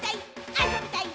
あそびたい！